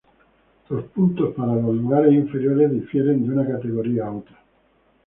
Los puntos para los lugares inferiores difieren de una categoría a otra.